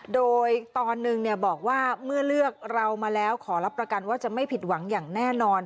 โดยตอนหนึ่งบอกว่าเมื่อเลือกเรามาแล้วขอรับประกันว่าจะไม่ผิดหวังอย่างแน่นอน